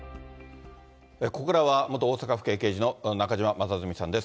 ここからは元大阪府警刑事の中島正純さんです。